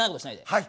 はい。